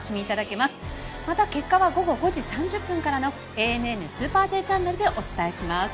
また、結果は午後５時３０分からの「ＡＮＮスーパーＪチャンネル」でお伝えします。